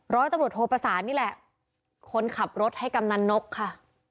ร้อยตำรวจโทประสานนี่แหละคนขับรถให้กำนันนกค่ะ